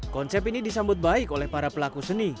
konsep ini disambut baik oleh para pelaku seni